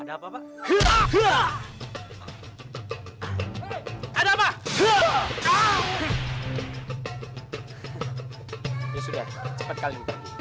ya sudah cepat kali